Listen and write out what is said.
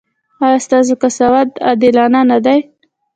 ایا ستاسو قضاوت عادلانه نه دی؟